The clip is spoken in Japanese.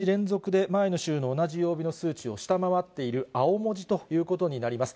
現在は２１日連続で、前の週の同じ曜日の数値を下回っている青文字ということになります。